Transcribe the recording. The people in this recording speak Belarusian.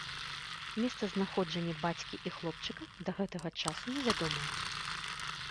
Месцазнаходжанне бацькі і хлопчыка да гэтага часу невядомае.